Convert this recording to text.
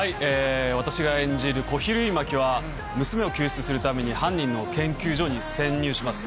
私が演じる小比類巻は、娘を救出するために、犯人の研究所に潜入します。